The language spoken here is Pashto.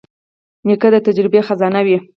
نیکه د تجربې خزانه وي.